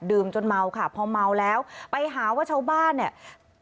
จนเมาค่ะพอเมาแล้วไปหาว่าชาวบ้านเนี่ย